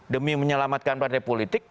demi menyelamatkan partai politik